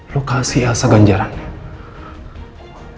lo kasih elsa ganjarannya